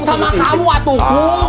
sama kamu atukum